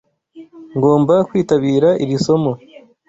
Ngomba kwitabira iri somo.